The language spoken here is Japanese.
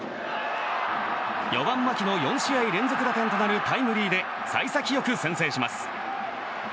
４番、牧の４試合連続打点となるタイムリーで幸先よく先制します。